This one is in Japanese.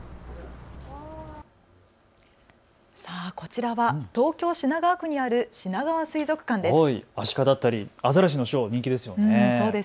こちらは東京品川区にあるしながわ水族館です。